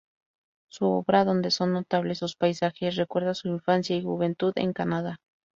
Su obra, donde son notables sus paisajes, recuerda su infancia y juventud en Canadá.